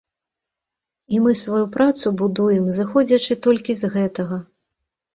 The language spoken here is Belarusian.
І мы сваю працу будуем зыходзячы толькі з гэтага.